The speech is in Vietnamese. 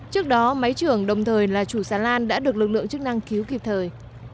trước đó máy trưởng đồng thời là chủ xà lan đã được lực lượng chức năng cứu kịp thời